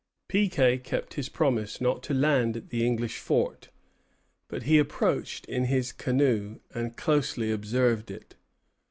Piquet kept his promise not to land at the English fort; but he approached in his canoe, and closely observed it.